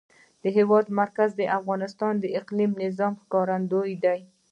د هېواد مرکز د افغانستان د اقلیمي نظام ښکارندوی ده.